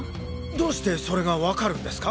どうしてそれがわかるんですか？